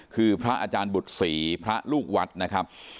คือพระอาจารย์บุตรศรีพระลูกวัดนะครับ